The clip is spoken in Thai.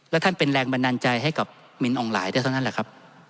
แล้วท่านเป็นแรงบันดาลใจให้กับมินองหลายได้เท่านั้นแหละครับ